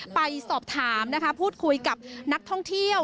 ไปสอบถามนะคะพูดคุยกับนักท่องเที่ยว